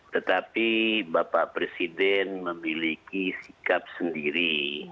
tetapi bapak presiden memiliki sikap sendiri